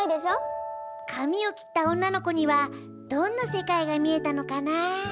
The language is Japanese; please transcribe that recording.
かみを切った女の子にはどんなせかいが見えたのかなぁ。